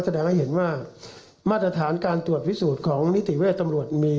แสดงให้เห็นว่ามาตรฐานการตรวจพิสูจน์ของนิติเวชตำรวจมี